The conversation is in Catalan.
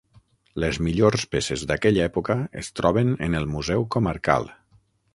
Les millors peces d'aquella època es troben en el museu comarcal.